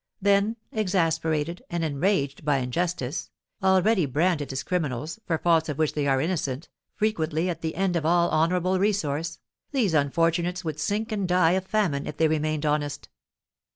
Then, exasperated and enraged by injustice, already branded as criminals, for faults of which they are innocent, frequently at the end of all honourable resource, these unfortunates would sink and die of famine if they remained honest.